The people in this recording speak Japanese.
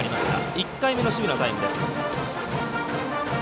１回目の守備のタイムです。